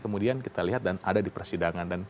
kemudian kita lihat dan ada di persidangan